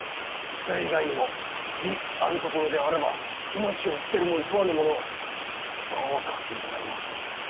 それ以外にも義あるところであらば命を捨てるも厭わぬ者をきっと多く集めてまいります。